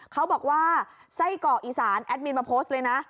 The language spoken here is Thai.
เขาบอกว่าไส้กรอกอีสานแอดมินมาโพสต์เลยนะ